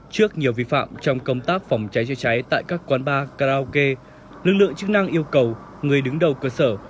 trước nhiều vi phạm trong công tác phòng cháy chữa cháy tại các quán bar karaoke lực lượng chức năng yêu cầu người đứng đầu cơ sở